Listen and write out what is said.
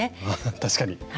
確かに。